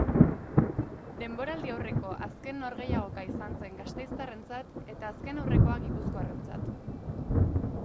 Denboraldiaurreko azken norgehiagoka izan zen gasteiztarrentzat eta azkenaurrekoa gipuzkoarrentzat.